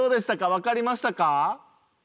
わかりましたか？